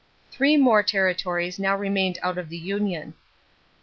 = Three more territories now remained out of the Union.